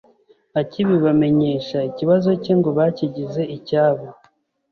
akibibamenyesha ikibazo cye ngo bakigize icyabo.